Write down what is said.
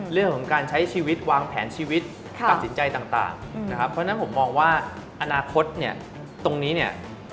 เรื่องของการใช้ชีวิตวางแผนชีวิตตัดสินใจต่างนะครับเพราะฉะนั้นผมมองว่าอนาคตเนี่ยตรงนี้เนี่ย